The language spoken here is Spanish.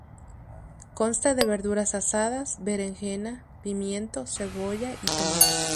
Consta de verduras asadas: berenjena, pimiento, cebolla y tomate.